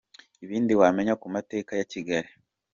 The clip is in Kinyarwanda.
Ibindi wamenya ku mateka ya Kigali.